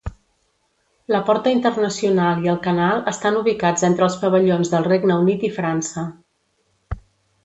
La Porta Internacional i el canal estan ubicats entre els pavellons del Regne Unit i França.